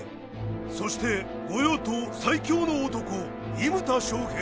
そして御用盗最強の男伊牟田尚平。